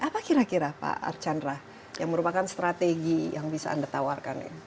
apa kira kira pak archandra yang merupakan strategi yang bisa anda tawarkan